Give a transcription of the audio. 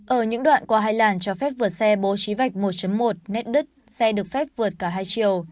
ở những đoạn qua hai làn cho phép vượt xe bố trí vạch một một net xe được phép vượt cả hai chiều